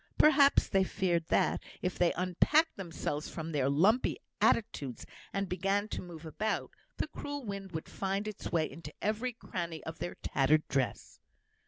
Perhaps they feared that, if they unpacked themselves from their lumpy attitudes and began to move about, the cruel wind would find its way into every cranny of their tattered dress.